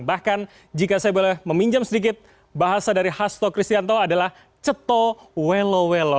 bahkan jika saya boleh meminjam sedikit bahasa dari haslo kristianto adalah ceto wello wello